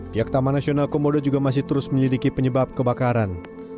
pihak taman nasional komodo juga masih terus menyelidiki penyebab kebakaran